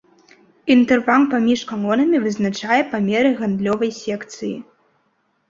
Інтэрвал паміж калонамі вызначае памеры гандлёвай секцыі.